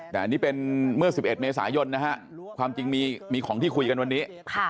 แต่อันนี้เป็นเมื่อ๑๑เมษายนนะฮะความจริงมีของที่คุยกันวันนี้